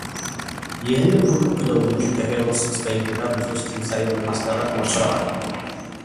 ይሄንን ሁሉ ክደው ግን ከሄሮድስ እስከ ይሁዳ ብዙዎች ትንሣኤውን ለማስቀረት ሞክረዋል።